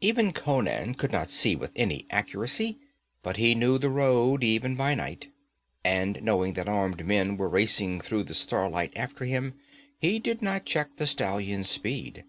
Even Conan could not see with any accuracy, but he knew the road, even by night. And knowing that armed men were racing through the starlight after him, he did not check the stallion's speed.